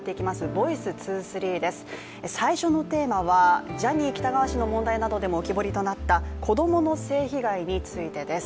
「ｖｏｉｃｅ２３」です、最初のテーマは、ジャニー喜多川氏の問題などでも浮き彫りとなった子供の性被害についてです。